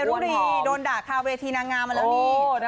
รุรีโดนด่าคาเวทีนางงามมาแล้วนี่